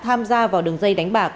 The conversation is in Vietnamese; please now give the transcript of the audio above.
tham gia vào đường dây đánh bạc